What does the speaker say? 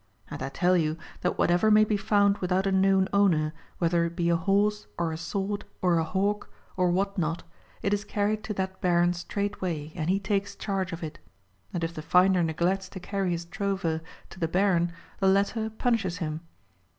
And I tell you that whatever may be found without a known owner, whether it be a horse, or a sword, or a hawk, or what not, it is carried to that Baron straightway, and he takes charge of it. And if the finder neglects to carry his trover to the Baron, the latter punishes him.